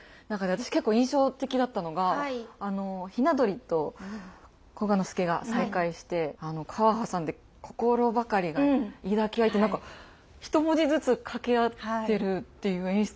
私結構印象的だったのが雛鳥と久我之助が再会して川挟んで「心ばかりがいだき合ひ」って何か一文字ずつ掛け合ってるっていう演出がおもしろいなと思って。